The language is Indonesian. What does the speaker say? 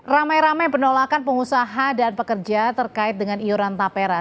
ramai ramai penolakan pengusaha dan pekerja terkait dengan iuran tapera